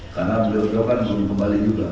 karena beliau beliau kan mau kembali juga